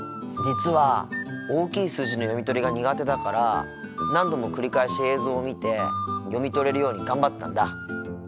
実は大きい数字の読み取りが苦手だから何度も繰り返し映像を見て読み取れるように頑張ったんだ。